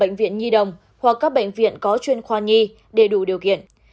bệnh viện nhi đồng hoặc các bệnh viện có chuyên khoa nhi để đủ điều kiện